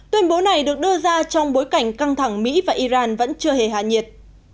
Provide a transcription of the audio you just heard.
tuyên bố này được đưa ra trong bối cảnh căng thẳng mỹ và iran vẫn chưa hề hạ nhiệt